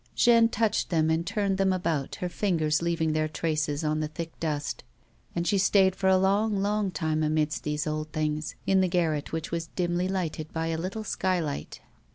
Jeanne touched them, and turned them about, lier fingers leaving their traces on the thick dust ; and she stayed for a Ion::, lonir time amidst these old things, in the garret which was dimly lighted by a little skylight.